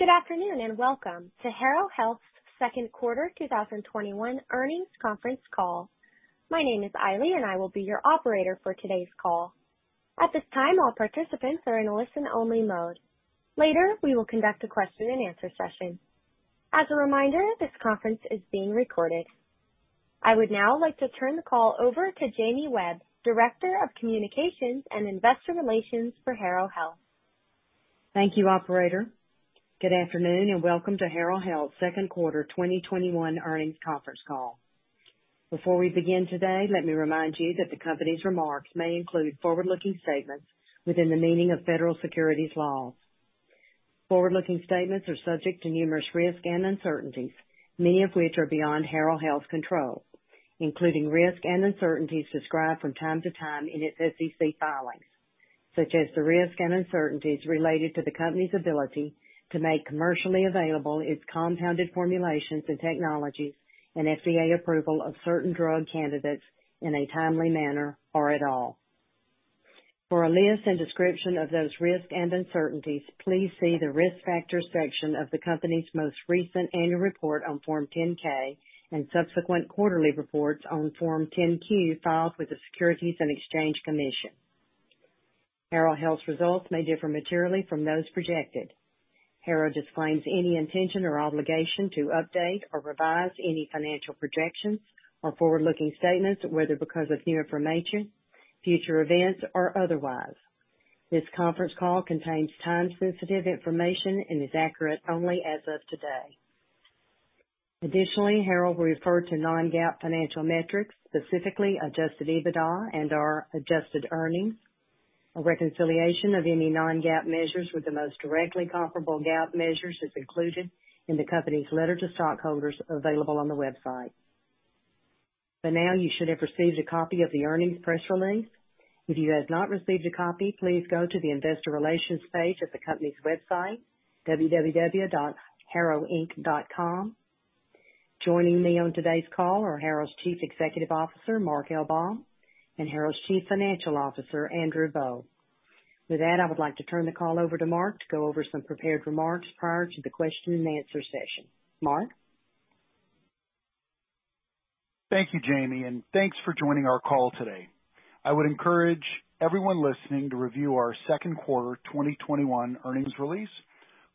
Good afternoon, and welcome to Harrow Health's second quarter 2021 earnings conference call. My name is Ailey, and I will be your operator for today's call. At this time, all participants are in a listen-only mode. Later, we will conduct a question and answer session. As a reminder, this conference is being recorded. I would now like to turn the call over to Jamie Webb, Director of Communications and Investor Relations for Harrow Health. Thank you, operator. Good afternoon, and welcome to Harrow Health's second quarter 2021 earnings conference call. Before we begin today, let me remind you that the company's remarks may include forward-looking statements within the meaning of federal securities laws. Forward-looking statements are subject to numerous risks and uncertainties, many of which are beyond Harrow Health's control, including risks and uncertainties described from time to time in its SEC filings, such as the risks and uncertainties related to the company's ability to make commercially available its compounded formulations and technologies and FDA approval of certain drug candidates in a timely manner or at all. For a list and description of those risks and uncertainties, please see the Risk Factors section of the company's most recent annual report on Form 10-K and subsequent quarterly reports on Form 10-Q filed with the Securities and Exchange Commission. Harrow Health's results may differ materially from those projected. Harrow disclaims any intention or obligation to update or revise any financial projections or forward-looking statements, whether because of new information, future events, or otherwise. This conference call contains time-sensitive information and is accurate only as of today. Additionally, Harrow will refer to non-GAAP financial metrics, specifically adjusted EBITDA and/or adjusted earnings. A reconciliation of any non-GAAP measures with the most directly comparable GAAP measures is included in the company's letter to stockholders available on the website. By now, you should have received a copy of the earnings press release. If you have not received a copy, please go to the investor relations page at the company's website, www.harrowinc.com. Joining me on today's call are Harrow's Chief Executive Officer, Mark Baum, and Harrow's Chief Financial Officer, Andrew Boll. With that, I would like to turn the call over to Mark to go over some prepared remarks prior to the question and answer session. Mark? Thank you, Jamie, and thanks for joining our call today. I would encourage everyone listening to review our second quarter 2021 earnings release,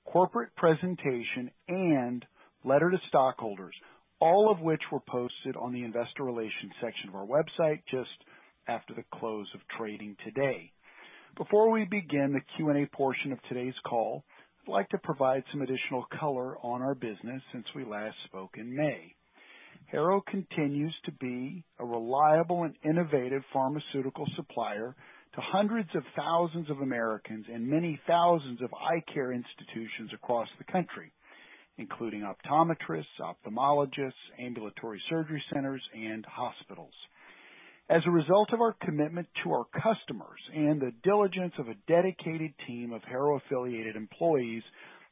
corporate presentation, and letter to stockholders, all of which were posted on the investor relations section of our website just after the close of trading today. Before we begin the Q&A portion of today's call, I'd like to provide some additional color on our business since we last spoke in May. Harrow continues to be a reliable and innovative pharmaceutical supplier to hundreds of thousands of Americans and many thousands of eye care institutions across the country, including optometrists, ophthalmologists, ambulatory surgery centers, and hospitals. As a result of our commitment to our customers and the diligence of a dedicated team of Harrow-affiliated employees,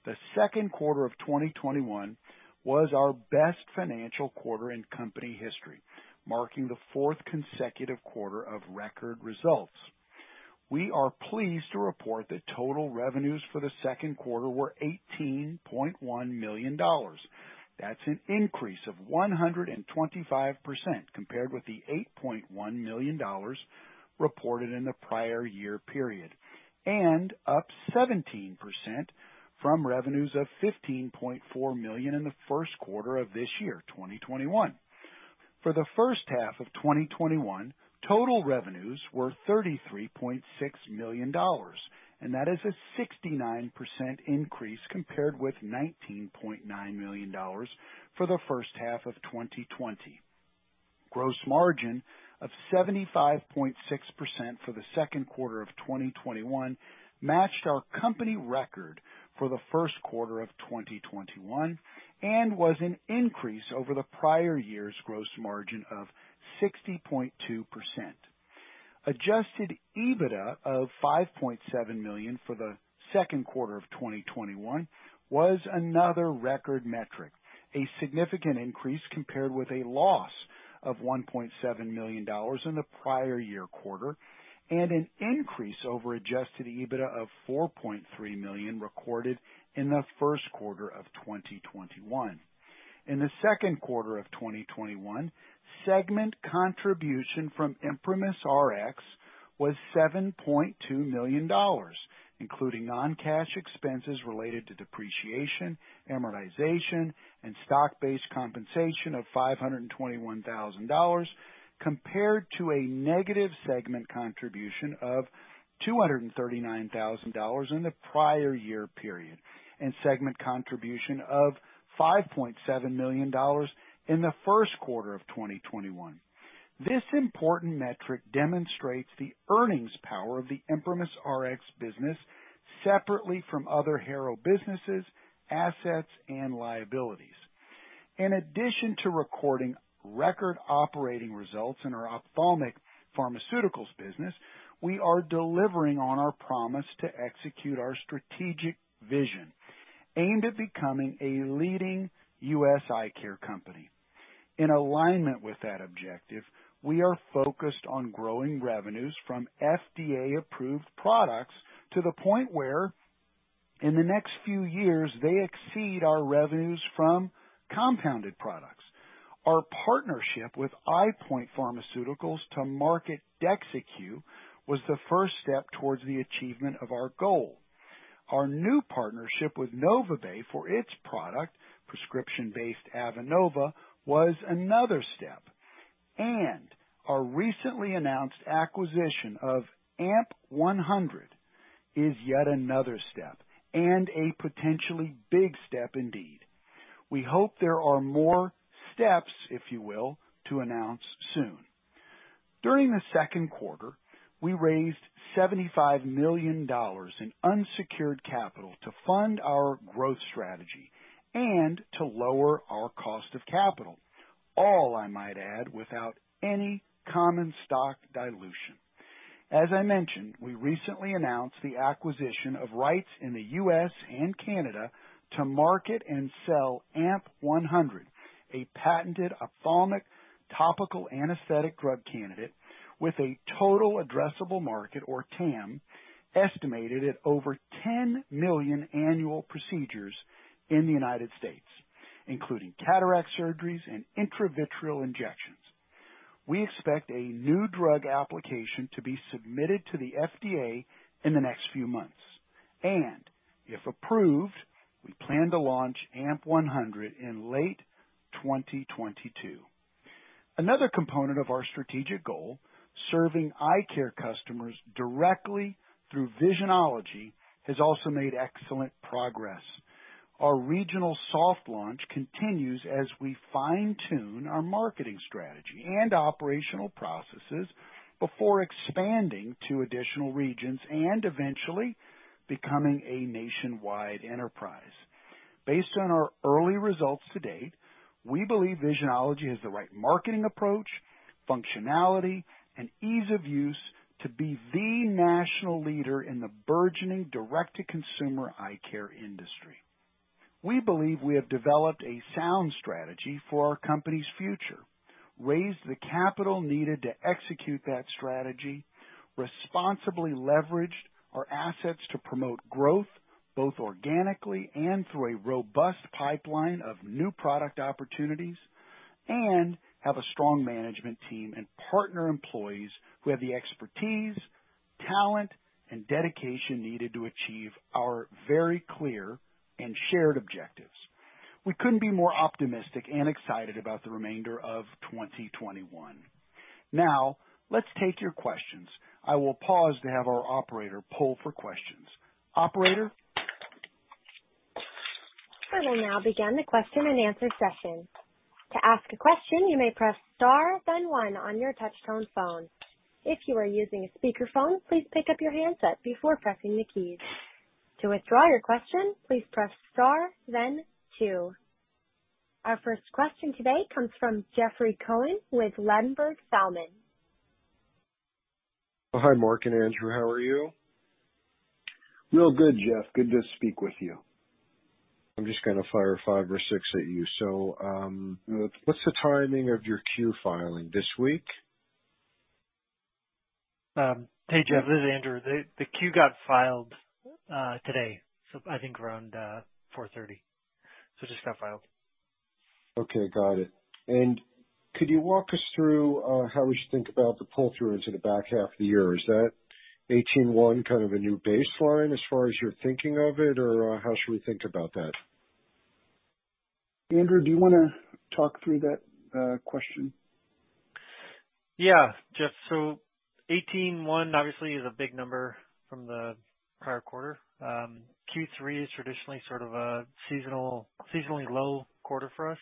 the second quarter of 2021 was our best financial quarter in company history, marking the fourth consecutive quarter of record results. We are pleased to report that total revenues for the second quarter were $18.1 million. That's an increase of 125% compared with the $8.1 million reported in the prior year period, and up 17% from revenues of $15.4 million in the first quarter of this year, 2021. For the first half of 2021, total revenues were $33.6 million, and that is a 69% increase compared with $19.9 million for the first half of 2020. Gross margin of 75.6% for the second quarter of 2021 matched our company record for the first quarter of 2021 and was an increase over the prior year's gross margin of 60.2%. Adjusted EBITDA of $5.7 million for the second quarter of 2021 was another record metric, a significant increase compared with a loss of $1.7 million in the prior year quarter, and an increase over Adjusted EBITDA of $4.3 million recorded in the first quarter of 2021. In the second quarter of 2021, segment contribution from ImprimisRx was $7.2 million, including non-cash expenses related to depreciation, amortization, and stock-based compensation of $521,000, compared to a negative segment contribution of $239,000 in the prior year period and segment contribution of $5.7 million in the first quarter of 2021. This important metric demonstrates the earnings power of the ImprimisRx business separately from other Harrow businesses, assets, and liabilities. In addition to recording record operating results in our ophthalmic pharmaceuticals business, we are delivering on our promise to execute our strategic vision aimed at becoming a leading U.S. eye care company. In alignment with that objective, we are focused on growing revenues from FDA-approved products to the point where, in the next few years, they exceed our revenues from compounded products. Our partnership with EyePoint Pharmaceuticals to market DEXYCU was the first step towards the achievement of our goal. Our new partnership with NovaBay for its product, prescription-based Avenova, was another step. Our recently announced acquisition of AMP-100 is yet another step, and a potentially big step indeed. We hope there are more steps, if you will, to announce soon. During the second quarter, we raised $75 million in unsecured capital to fund our growth strategy and to lower our cost of capital. All, I might add, without any common stock dilution. As I mentioned, we recently announced the acquisition of rights in the U.S. and Canada to market and sell AMP-100, a patented ophthalmic topical anesthetic drug candidate with a total addressable market, or TAM, estimated at over 10 million annual procedures in the United States, including cataract surgeries and intravitreal injections. We expect a New Drug Application to be submitted to the FDA in the next few months. If approved, we plan to launch AMP-100 in late 2022. Another component of our strategic goal, serving eye care customers directly through Visionology, has also made excellent progress. Our regional soft launch continues as we fine-tune our marketing strategy and operational processes before expanding to additional regions and eventually becoming a nationwide enterprise. Based on our early results to date, we believe Visionology has the right marketing approach, functionality, and ease of use to be the national leader in the burgeoning direct-to-consumer eye care industry. We believe we have developed a sound strategy for our company's future, raised the capital needed to execute that strategy, responsibly leveraged our assets to promote growth, both organically and through a robust pipeline of new product opportunities, and have a strong management team and partner employees who have the expertise, talent, and dedication needed to achieve our very clear and shared objectives. We couldn't be more optimistic and excited about the remainder of 2021. Let's take your questions. I will pause to have our operator poll for questions. Operator? We'll now begin the question and answer session. To ask a question you may press star then one on your touch-tone phone. If you're using speaker phone, please pick up your handset before pressing the keys. To withdraw your question please press star then two. Our first question today comes from Jeffrey Cohen with Ladenburg Thalmann. Hi, Mark and Andrew. How are you? Real good, Jeff. Good to speak with you. I'm just going to fire five or six at you. What's the timing of your Q filing, this week? Hey, Jeffrey, this is Andrew. The Q got filed today, I think, around 4:30. It just got filed. Okay, got it. Could you walk us through how we should think about the pull-through into the back half of the year? Is that 18-1 kind of a new baseline as far as you're thinking of it, or how should we think about that? Andrew, do you want to talk through that question? Yeah. Jeff, 18-1 obviously is a big number from the prior quarter. Q3 is traditionally sort of a seasonally low quarter for us.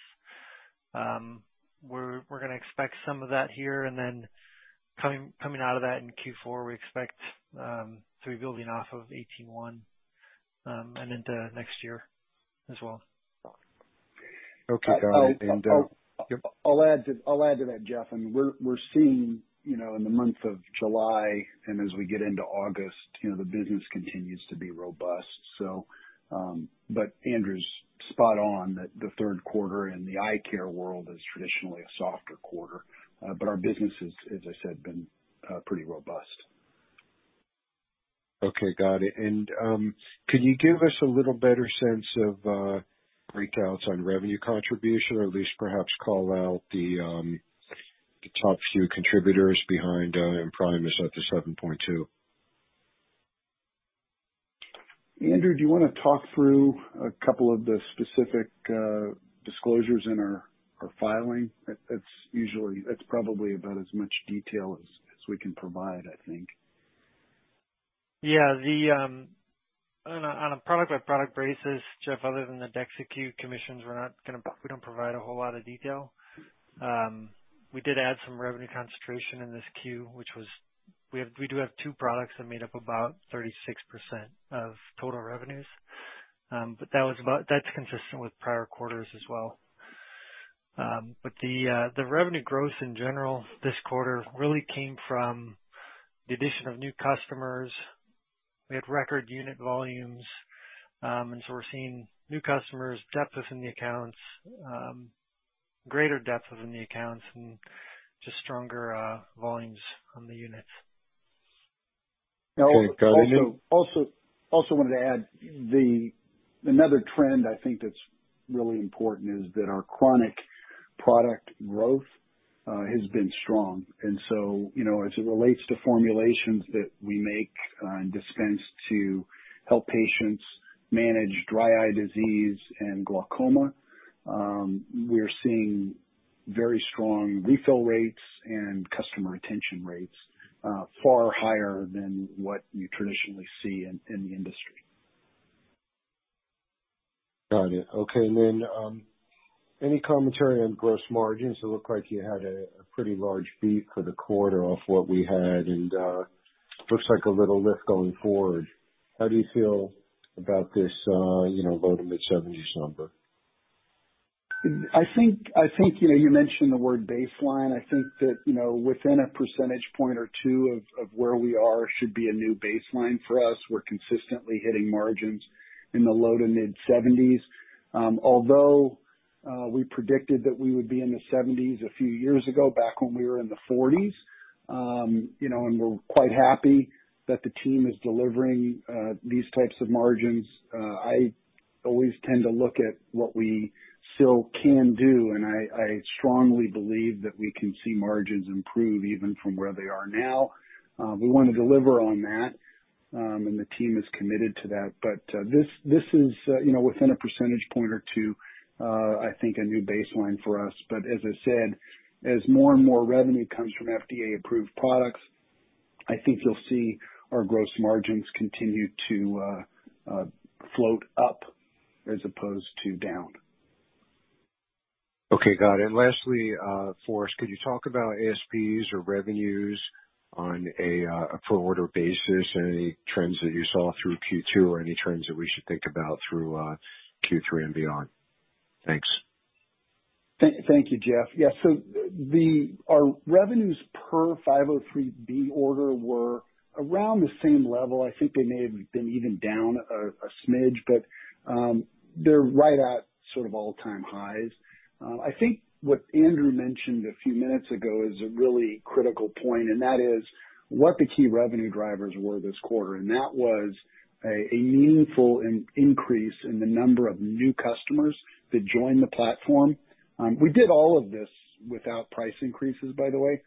We're going to expect some of that here. Coming out of that in Q4, we expect to be building off of 18-1, into next year as well. Okay, got it. I'll add to that, Jeff. We're seeing in the month of July, and as we get into August, the business continues to be robust. Andrew's spot on that the third quarter in the eyecare world is traditionally a softer quarter. Our business is, as I said, been pretty robust. Okay, got it. Could you give us a little better sense of breakouts on revenue contribution, or at least perhaps call out the top few contributors behind, and prime us up to $7.2? Andrew, do you want to talk through a couple of the specific disclosures in our filing? That's probably about as much detail as we can provide, I think. Yeah. On a product-by-product basis, Jeffrey, other than the DEXYCU commissions, we don't provide a whole lot of detail. We did add some revenue concentration in this Q. We do have two products that made up about 36% of total revenues. That's consistent with prior quarters as well. The revenue growth in general this quarter really came from the addition of new customers. We had record unit volumes, we're seeing new customers, depth within the accounts, greater depth within the accounts, just stronger volumes on the units. Okay, got it. Wanted to add, another trend I think that's really important is that our chronic product growth has been strong. As it relates to formulations that we make and dispense to help patients manage dry eye disease and glaucoma, we're seeing very strong refill rates and customer retention rates, far higher than what you traditionally see in the industry. Got it. Okay. Any commentary on gross margins? It looked like you had a pretty large beat for the quarter off what we had, and looks like a little lift going forward. How do you feel about this low to mid-70s% number? I think you mentioned the word baseline. I think that within a percentage point or 2 of where we are should be a new baseline for us. We're consistently hitting margins in the low to mid 70s. We predicted that we would be in the 70s a few years ago, back when we were in the 40s, and we're quite happy that the team is delivering these types of margins. I always tend to look at what we still can do, and I strongly believe that we can see margins improve even from where they are now. We want to deliver on that, and the team is committed to that. This is within a percentage point or 2, I think, a new baseline for us. As I said, as more and more revenue comes from FDA-approved products, I think you'll see our gross margins continue to float up as opposed to down. Okay, got it. Lastly, for us, could you talk about ASPs or revenues on a full order basis, and any trends that you saw through Q2 or any trends that we should think about through Q3 and beyond? Thanks. Thank you, Jeff. Our revenues per 503B order were around the same level. I think they may have been even down a smidge, but they're right at sort of all-time highs. I think what Andrew mentioned a few minutes ago is a really critical point, and that is what the key revenue drivers were this quarter. That was a meaningful increase in the number of new customers that joined the platform. We did all of this without price increases, by the way.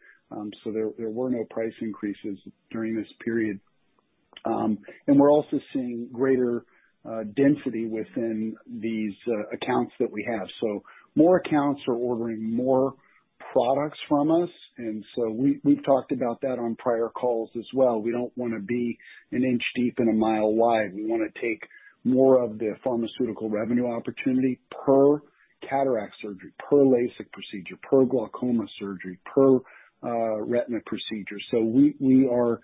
There were no price increases during this period. We're also seeing greater density within these accounts that we have. More accounts are ordering more products from us, we've talked about that on prior calls as well. We don't want to be an inch deep and a mile wide. We want to take more of the pharmaceutical revenue opportunity per cataract surgery, per LASIK procedure, per glaucoma surgery, per retina procedure. We are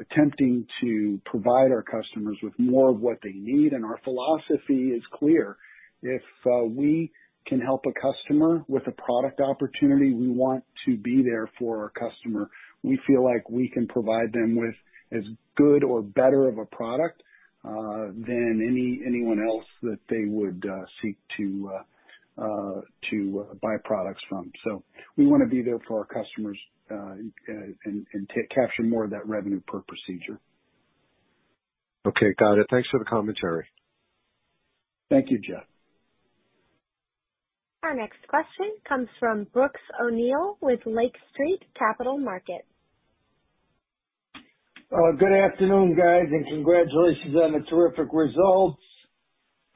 attempting to provide our customers with more of what they need. Our philosophy is clear. If we can help a customer with a product opportunity, we want to be there for our customer. We feel like we can provide them with as good or better of a product than anyone else that they would seek to buy products from. We want to be there for our customers and capture more of that revenue per procedure. Okay, got it. Thanks for the commentary. Thank you, Jeff. Our next question comes from Brooks O'Neil with Lake Street Capital Markets. Good afternoon, guys. Congratulations on the terrific results.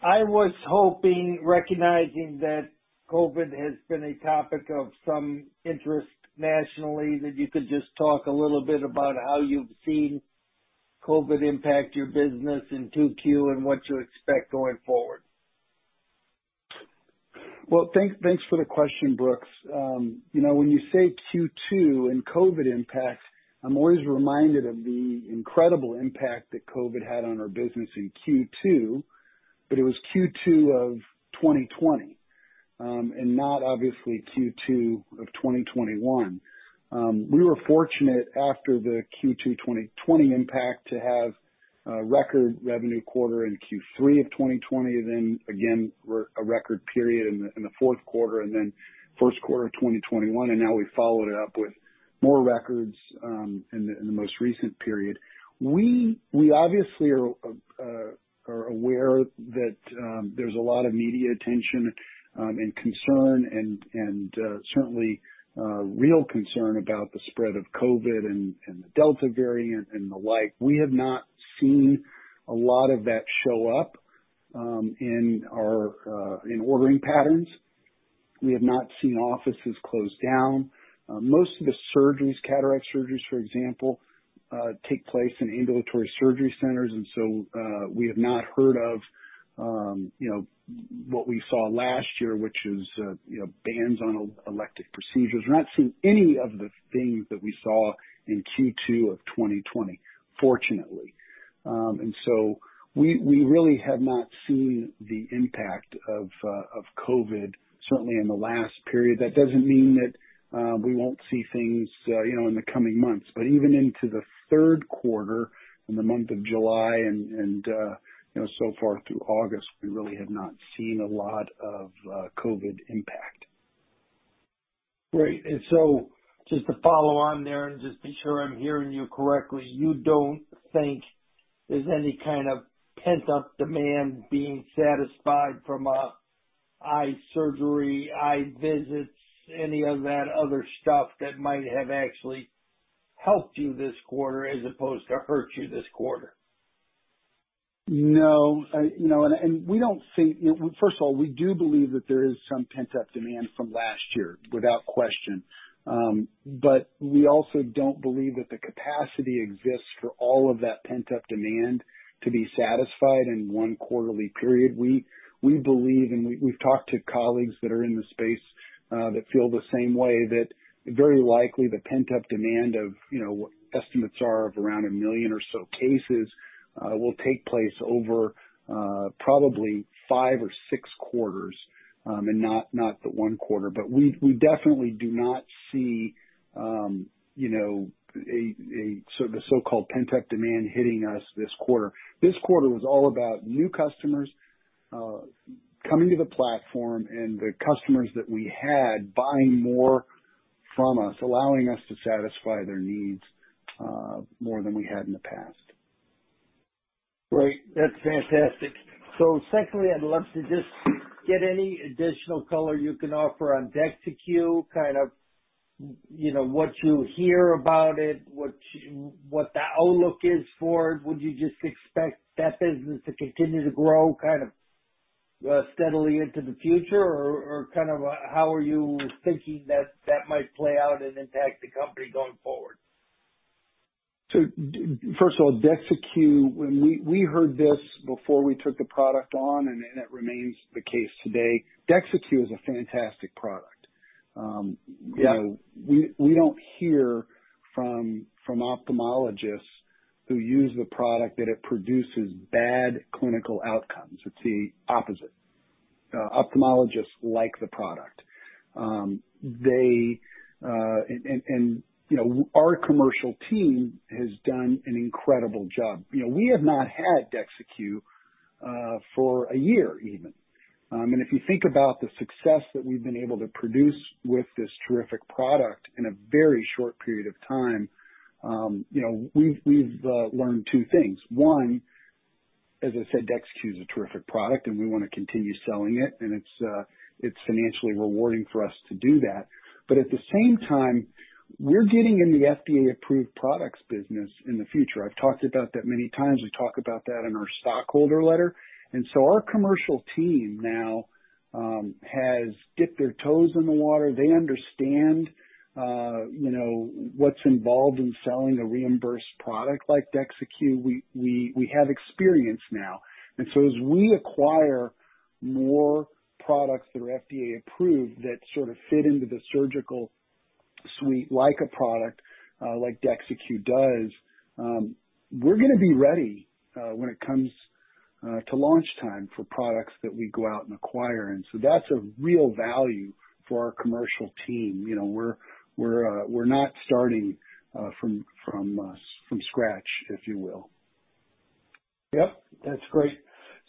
I was hoping, recognizing that COVID has been a topic of some interest nationally, that you could just talk a little bit about how you've seen COVID impact your business in 2Q and what you expect going forward. Well, thanks for the question, Brooks. When you say Q2 and COVID impact, I'm always reminded of the incredible impact that COVID had on our business in Q2, but it was Q2 of 2020, and not obviously Q2 of 2021. We were fortunate after the Q2 2020 impact to have a record revenue quarter in Q3 of 2020, then again, a record period in the fourth quarter and then first quarter of 2021, and now we followed it up with more records in the most recent period. We obviously are aware that there's a lot of media attention and concern and certainly real concern about the spread of COVID and the Delta variant and the like. We have not seen a lot of that show up in ordering patterns. We have not seen offices close down. Most of the surgeries, cataract surgeries, for example, take place in ambulatory surgery centers, and so we have not heard of what we saw last year, which is bans on elective procedures. We're not seeing any of the things that we saw in Q2 of 2020, fortunately. So we really have not seen the impact of COVID, certainly in the last period. That doesn't mean that we won't see things in the coming months. Even into the third quarter, in the month of July and so far through August, we really have not seen a lot of COVID impact. Great. Just to follow on there and just be sure I'm hearing you correctly, you don't think there's any kind of pent-up demand being satisfied from eye surgery, eye visits, any of that other stuff that might have actually helped you this quarter as opposed to hurt you this quarter? First of all, we do believe that there is some pent-up demand from last year, without question. We also don't believe that the capacity exists for all of that pent-up demand to be satisfied in one quarterly period. We believe, and we've talked to colleagues that are in the space that feel the same way, that very likely the pent-up demand of what estimates are of around 1 million or so cases will take place over probably five or six quarters, and not but one quarter. We definitely do not see the so-called pent-up demand hitting us this quarter. This quarter was all about new customers coming to the platform and the customers that we had buying more from us, allowing us to satisfy their needs more than we had in the past. Great. That's fantastic. Secondly, I'd love to just get any additional color you can offer on DEXYCU, what you hear about it, what the outlook is for it. Would you just expect that business to continue to grow steadily into the future, or how are you thinking that that might play out and impact the company going forward? First of all, DEXYCU, we heard this before we took the product on, and it remains the case today. DEXYCU is a fantastic product. We don't hear from ophthalmologists who use the product that it produces bad clinical outcomes. It's the opposite. Ophthalmologists like the product. Our commercial team has done an incredible job. We have not had DEXYCU for a year even. If you think about the success that we've been able to produce with this terrific product in a very short period of time, we've learned two things. One, as I said, DEXYCU's a terrific product, and we want to continue selling it, and it's financially rewarding for us to do that. At the same time, we're getting in the FDA-approved products business in the future. I've talked about that many times. We talk about that in our stockholder letter. So our commercial team now has dipped their toes in the water. They understand what's involved in selling a reimbursed product like DEXYCU. We have experience now. As we acquire more products that are FDA approved that sort of fit into the surgical suite like a product like DEXYCU does, we're going to be ready when it comes to launch time for products that we go out and acquire. That's a real value for our commercial team. We're not starting from scratch, if you will. Yep. That's great.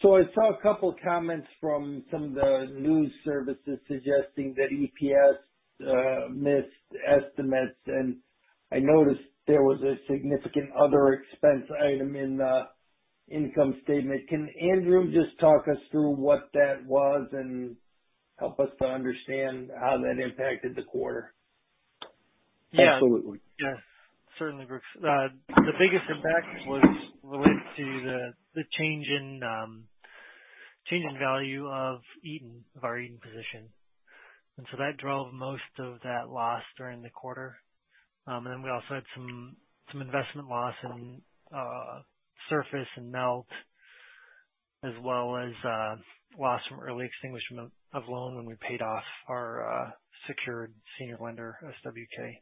I saw a couple of comments from some of the news services suggesting that EPS missed estimates, and I noticed there was a significant other expense item in the income statement. Can Andrew just talk us through what that was and help us to understand how that impacted the quarter? Absolutely. Yeah. Certainly, Brooks. The biggest impact was related to the change in value of our Eton position. That drove most of that loss during the quarter. We also had some investment loss in Surface and Melt, as well as loss from early extinguishment of loan when we paid off our secured senior lender, SWK.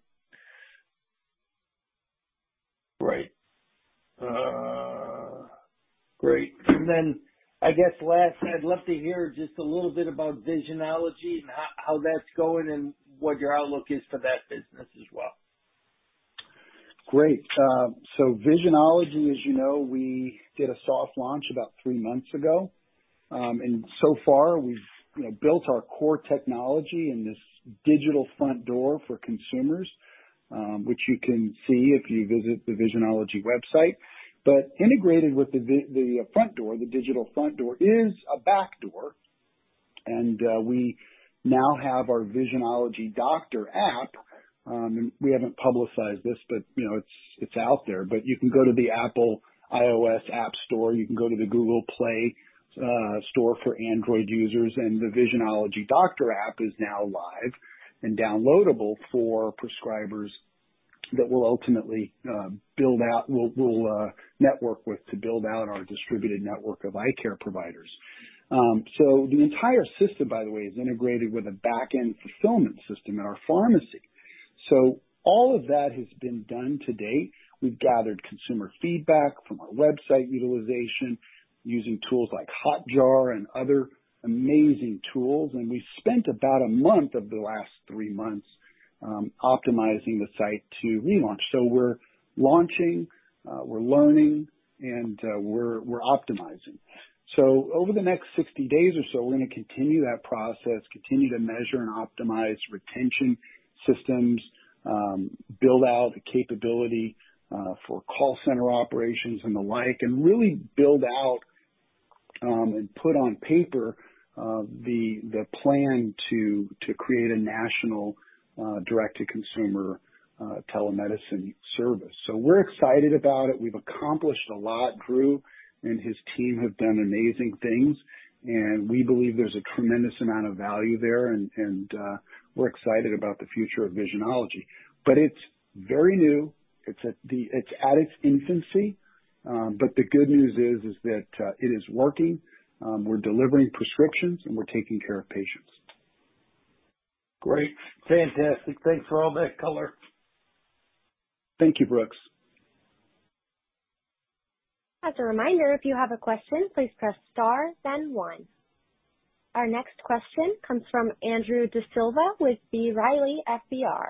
Right. Great. I guess last, I'd love to hear just a little bit about Visionology and how that's going and what your outlook is for that business as well. Great. Visionology, as you know, we did a soft launch about three months ago. So far, we've built our core technology in this digital front door for consumers, which you can see if you visit the Visionology website. Integrated with the front door, the digital front door, is a back door. We now have our Visionology Doctor app. We haven't publicized this, but it's out there. You can go to the Apple iOS App Store, you can go to the Google Play for Android users, and the Visionology Doctor app is now live and downloadable for prescribers that we'll network with to build out our distributed network of eye care providers. The entire system, by the way, is integrated with a back-end fulfillment system in our pharmacy. All of that has been done to date. We've gathered consumer feedback from our website utilization using tools like Hotjar and other amazing tools, and we spent about a month of the last three months optimizing the site to relaunch. We're launching, we're learning, and we're optimizing. Over the next 60 days or so, we're going to continue that process, continue to measure and optimize retention systems, build out the capability for call center operations and the like, and really build out and put on paper the plan to create a national direct-to-consumer telemedicine service. We're excited about it. We've accomplished a lot. Drew and his team have done amazing things, and we believe there's a tremendous amount of value there and we're excited about the future of Visionology. It's very new. It's at its infancy. The good news is that it is working, we're delivering prescriptions, and we're taking care of patients. Great. Fantastic. Thanks for all that color. Thank you, Brooks. As a reminder, if you have a question, please press star then one. Our next question comes from Andrew D'Silva with B. Riley FBR.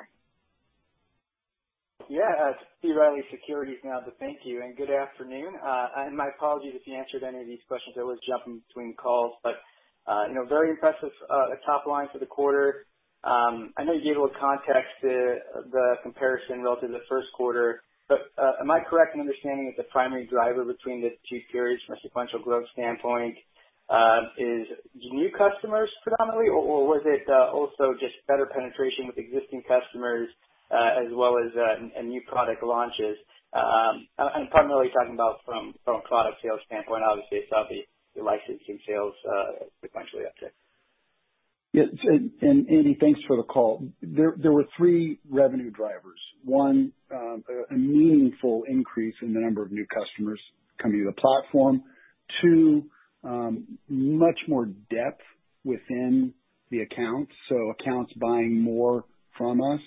Yeah, it's B. Riley Securities now. Thank you, and good afternoon. My apologies if you answered any of these questions. I was jumping between calls. Very impressive top line for the quarter. I know you gave a little context to the comparison relative to first quarter. Am I correct in understanding that the primary driver between the two periods from a sequential growth standpoint is new customers predominantly, or was it also just better penetration with existing customers as well as new product launches? I'm primarily talking about from a product sales standpoint. Obviously, it's obvious your licensing sales sequentially uptick. Yeah. Andrew, thanks for the call. There were three revenue drivers. One, a meaningful increase in the number of new customers coming to the platform. Two, much more depth within the accounts, so accounts buying more from us.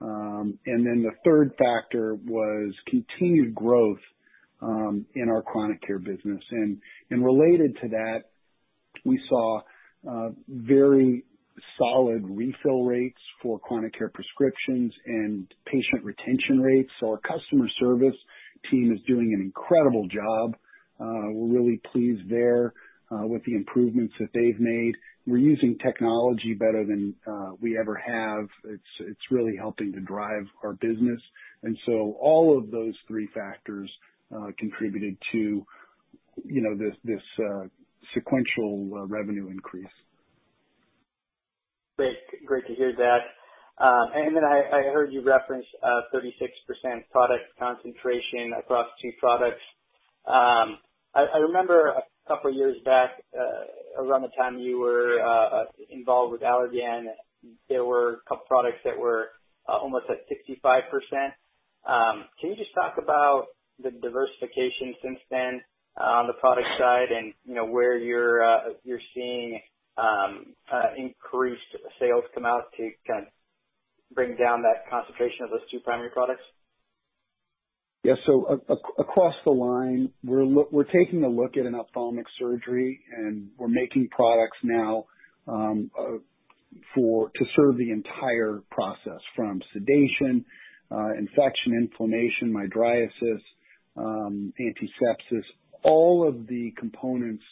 The third factor was continued growth in our chronic care business. Related to that, we saw very solid refill rates for chronic care prescriptions and patient retention rates. Our customer service team is doing an incredible job. We're really pleased there with the improvements that they've made. We're using technology better than we ever have. It's really helping to drive our business. All of those three factors contributed to this sequential revenue increase. Great to hear that. I heard you reference 36% product concentration across two products. I remember a couple of years back, around the time you were involved with Allergan, there were a couple products that were almost at 65%. Can you just talk about the diversification since then on the product side and where you're seeing increased sales come out to kind of bring down that concentration of those two primary products? Yeah. Across the line, we're taking a look at an ophthalmic surgery, and we're making products now to serve the entire process, from sedation, infection, inflammation, mydriasis, antisepsis, all of the components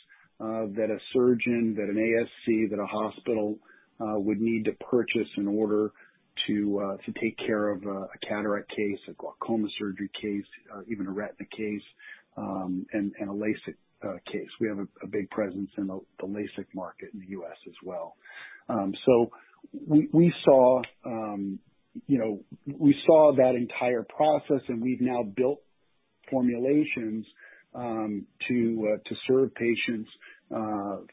that a surgeon, that an ASC, that a hospital would need to purchase in order to take care of a cataract case, a glaucoma surgery case, even a retina case, and a LASIK case. We have a big presence in the LASIK market in the U.S. as well. We saw that entire process, and we've now built formulations to serve patients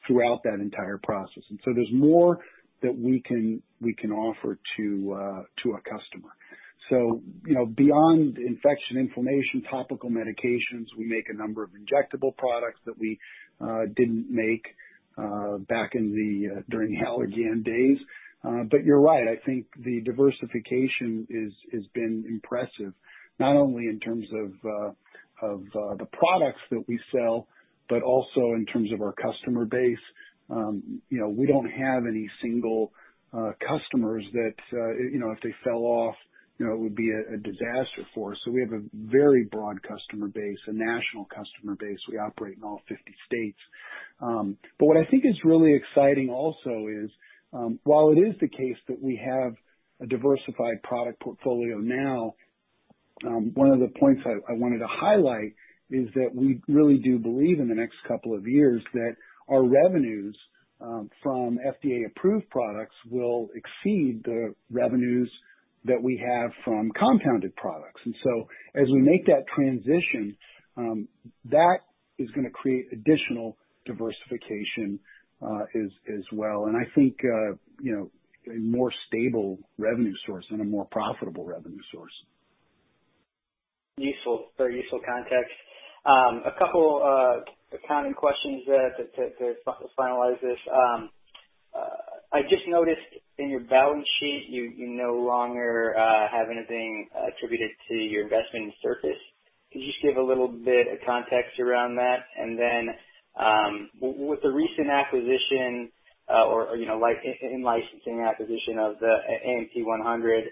throughout that entire process. There's more that we can offer to a customer. Beyond infection, inflammation, topical medications, we make a number of injectable products that we didn't make back during the Allergan days. You're right, I think the diversification has been impressive, not only in terms of the products that we sell, but also in terms of our customer base. We don't have any single customers that if they fell off, it would be a disaster for us. We have a very broad customer base, a national customer base. We operate in all 50 states. What I think is really exciting also is, while it is the case that we have a diversified product portfolio now, one of the points I wanted to highlight is that we really do believe in the next couple of years that our revenues from FDA-approved products will exceed the revenues that we have from compounded products. As we make that transition, that is going to create additional diversification as well. I think a more stable revenue source and a more profitable revenue source. Useful, very useful context. A couple accounting questions there to finalize this. I just noticed in your balance sheet you no longer have anything attributed to your investment in Surface. Could you just give a little bit of context around that? Then with the recent acquisition or in-licensing acquisition of the AMP-100,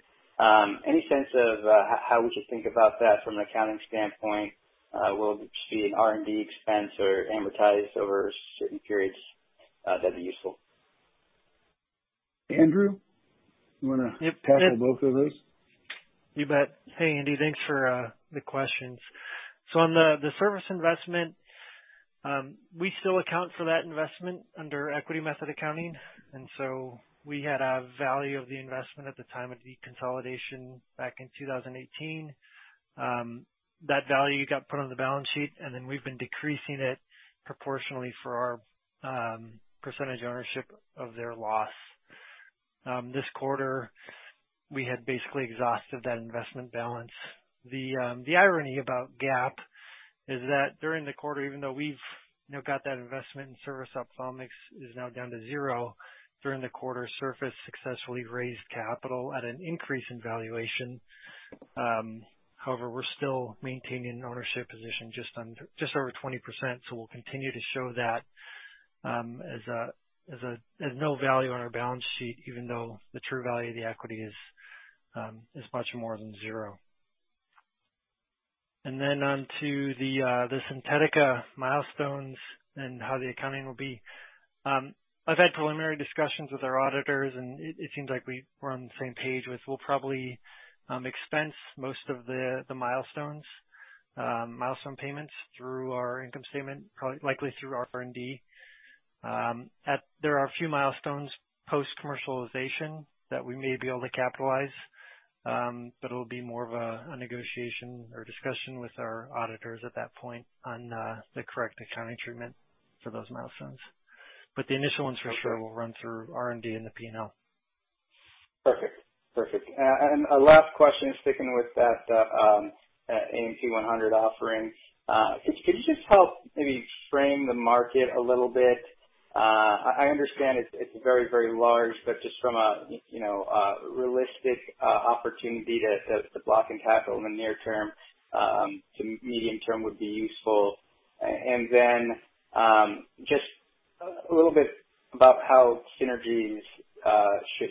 any sense of how we should think about that from an accounting standpoint? Will it just be an R&D expense or amortized over certain periods? That'd be useful. Andrew, you want to tackle both of those? You bet. Hey, Andy, thanks for the questions. On the Surface investment, we still account for that investment under equity method accounting, and we had a value of the investment at the time of deconsolidation back in 2018. That value got put on the balance sheet, and then we've been decreasing it proportionally for our percentage ownership of their loss. This quarter, we had basically exhausted that investment balance. The irony about GAAP is that during the quarter, even though we've got that investment in Surface Ophthalmics is now down to zero, during the quarter, Surface successfully raised capital at an increase in valuation. However, we're still maintaining an ownership position just over 20%, so we'll continue to show that as no value on our balance sheet, even though the true value of the equity is much more than zero. On to the Sintetica milestones and how the accounting will be. I've had preliminary discussions with our auditors, it seems like we're on the same page with we'll probably expense most of the milestone payments through our income statement, likely through our R&D. There are a few milestones post-commercialization that we may be able to capitalize, it'll be more of a negotiation or discussion with our auditors at that point on the correct accounting treatment for those milestones. The initial ones for sure will run through R&D and the P&L. Perfect. A last question, sticking with that AMP-100 offering. Could you just help maybe frame the market a little bit? I understand it's very large, but just from a realistic opportunity to block and tackle in the near term to medium term would be useful. Then just a little bit about how synergies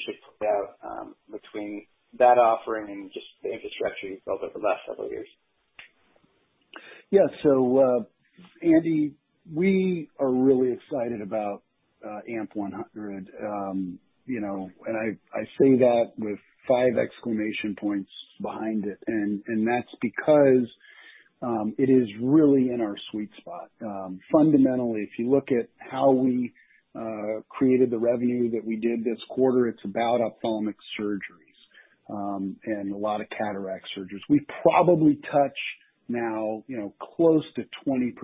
should play out between that offering and just the infrastructure you've built over the last several years. Yeah. Andy, we are really excited about AMP-100. I say that with five exclamation points behind it, that's because it is really in our sweet spot. Fundamentally, if you look at how we created the revenue that we did this quarter, it's about ophthalmic surgeries and a lot of cataract surgeries. We probably touch now close to 20%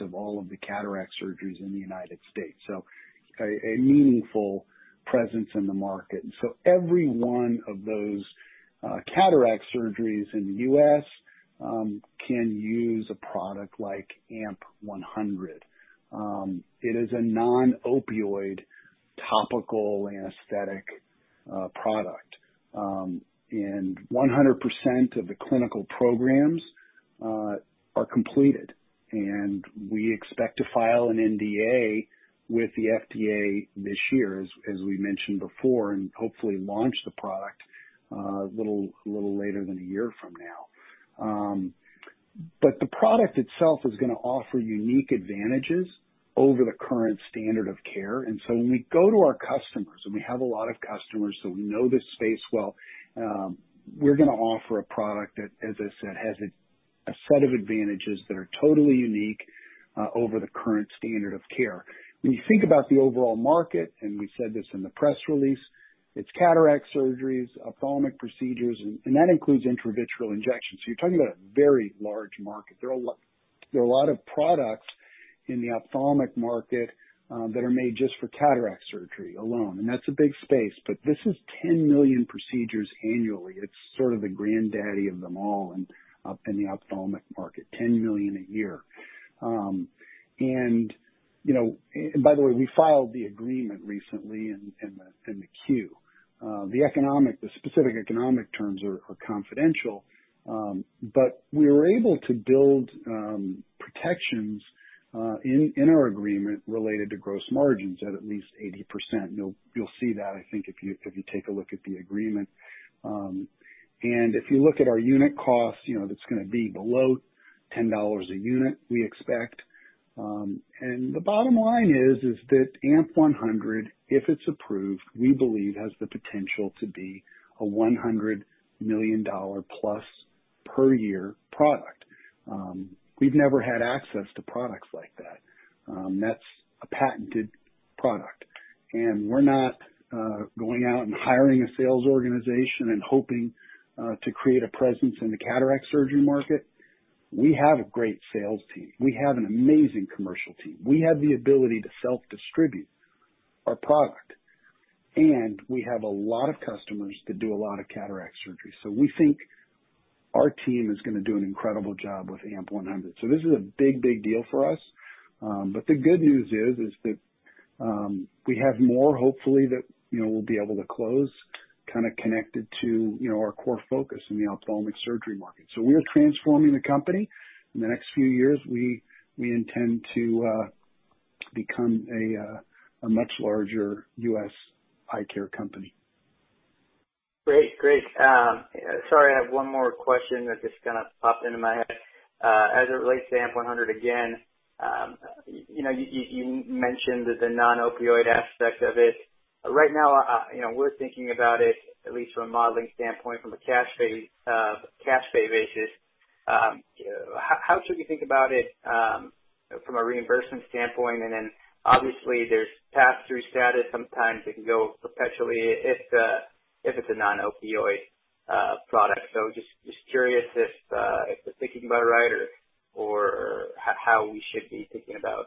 of all of the cataract surgeries in the U.S., a meaningful presence in the market. Every one of those cataract surgeries in the U.S. can use a product like AMP-100. It is a non-opioid topical anesthetic product. 100% of the clinical programs are completed. We expect to file an NDA with the FDA this year, as we mentioned before, hopefully launch the product a little later than a year from now. The product itself is going to offer unique advantages over the current standard of care. When we go to our customers, and we have a lot of customers, so we know this space well, we're going to offer a product that, as I said, has a set of advantages that are totally unique over the current standard of care. When you think about the overall market, and we said this in the press release, it's cataract surgeries, ophthalmic procedures, and that includes intravitreal injections, so you're talking about a very large market. There are a lot of products in the ophthalmic market that are made just for cataract surgery alone, and that's a big space, but this is 10 million procedures annually. It's sort of the granddaddy of them all in the ophthalmic market, 10 million a year. By the way, we filed the agreement recently in the Form 10-Q. The specific economic terms are confidential, but we were able to build protections in our agreement related to gross margins at least 80%. You'll see that, I think, if you take a look at the agreement. If you look at our unit cost, that's going to be below $10 a unit, we expect. The bottom line is that AMP-100, if it's approved, we believe has the potential to be a $100+ million per year product. We've never had access to products like that. That's a patented product. We're not going out and hiring a sales organization and hoping to create a presence in the cataract surgery market. We have a great sales team. We have an amazing commercial team. We have the ability to self-distribute our product. We have a lot of customers that do a lot of cataract surgery. We think our team is going to do an incredible job with AMP-100. This is a big deal for us. The good news is that we have more, hopefully, that we'll be able to close connected to our core focus in the ophthalmic surgery market. We are transforming the company. In the next few years, we intend to become a much larger U.S. eye care company. Great. Sorry, I have one more question that just popped into my head. As it relates to AMP-100 again, you mentioned the non-opioid aspect of it. Right now, we're thinking about it, at least from a modeling standpoint, from a cash pay basis. How should we think about it from a reimbursement standpoint? Then obviously there's pass-through status. Sometimes it can go perpetually if it's a non-opioid product. Just curious if we're thinking about it right or how we should be thinking about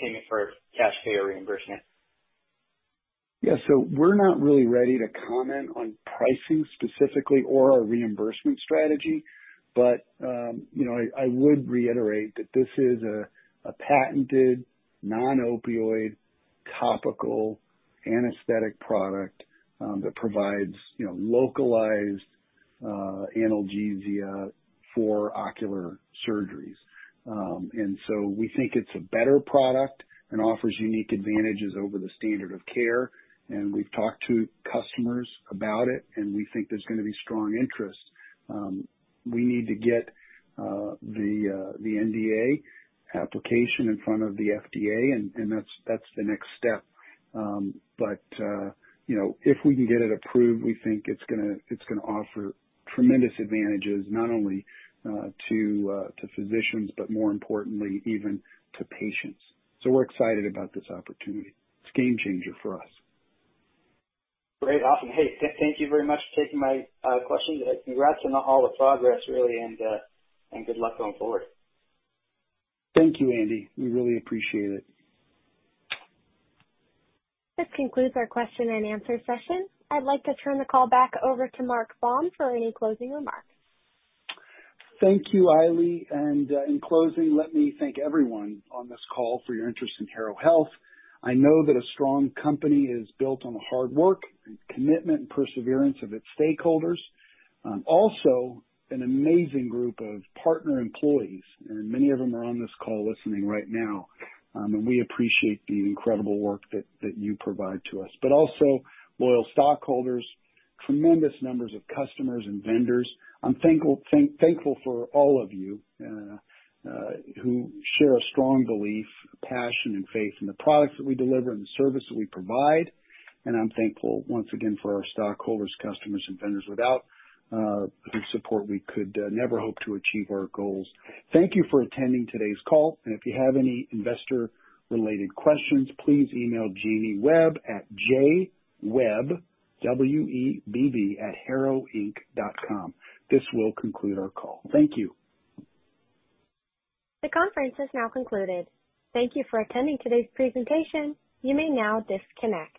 payment for cash pay or reimbursement. We're not really ready to comment on pricing specifically or our reimbursement strategy. I would reiterate that this is a patented non-opioid topical anesthetic product that provides localized analgesia for ocular surgeries. We think it's a better product and offers unique advantages over the standard of care, and we've talked to customers about it, and we think there's going to be strong interest. We need to get the NDA application in front of the FDA, and that's the next step. If we can get it approved, we think it's going to offer tremendous advantages not only to physicians, but more importantly, even to patients. We're excited about this opportunity. It's a game changer for us. Great. Awesome. Hey, thank you very much for taking my questions. Congrats on all the progress really, and good luck going forward. Thank you, Andy. We really appreciate it. This concludes our question and answer session. I'd like to turn the call back over to Mark Baum for any closing remarks. Thank you, Ailey. In closing, let me thank everyone on this call for your interest in Harrow Health. I know that a strong company is built on the hard work and commitment and perseverance of its stakeholders. Also an amazing group of partner employees, and many of them are on this call listening right now. We appreciate the incredible work that you provide to us. Also loyal stockholders, tremendous numbers of customers and vendors. I'm thankful for all of you who share a strong belief, passion, and faith in the products that we deliver and the service that we provide. I'm thankful once again for our stockholders, customers, and vendors. Without whose support we could never hope to achieve our goals. Thank you for attending today's call. If you have any investor-related questions, please email Jamie Webb at jwebb, W-E-B-B, @harrowinc.com. This will conclude our call. Thank you. The conference has now concluded. Thank you for attending today's presentation. You may now disconnect.